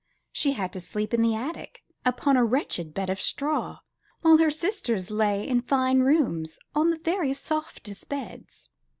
She had to sleep in the attic, upon a wretched bed of straw, while her sisters lay in fine rooms, on the very softest beds.